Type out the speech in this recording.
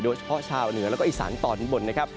โดยเฉพาะชาวเหนือแล้วก็อีสานตอนบนนะครับ